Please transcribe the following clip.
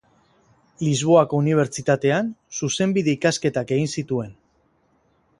Lisboako Unibertsitatean zuzenbide-ikasketak egin zituen.